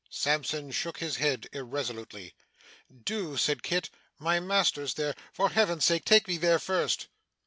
Sampson shook his head irresolutely. 'Do,' said Kit. 'My master's there. For Heaven's sake, take me there, first.